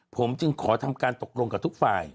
ผมจึงขอทำการตกลงกับทุกฝ่าย